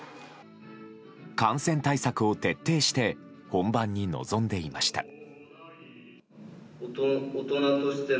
感染対策を徹底して本番に臨んでいました。